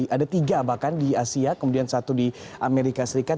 ada tiga bahkan di asia kemudian satu di amerika serikat